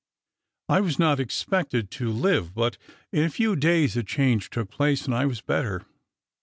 I was not expected to live, but in a few days a change took place, and I was better.